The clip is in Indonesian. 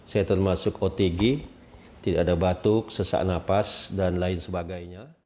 saya termasuk otg tidak ada batuk sesak nafas dan lain sebagainya